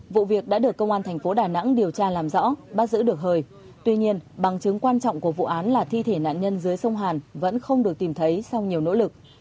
vụ việc đã được công an thành phố đà nẵng điều tra làm rõ bắt giữ được hời tuy nhiên bằng chứng quan trọng của vụ án là thi thể nạn nhân dưới sông hàn vẫn không được tìm thấy sau nhiều nỗ lực